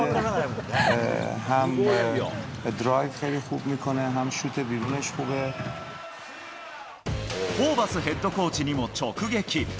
ホーバスヘッドコーチにも直撃。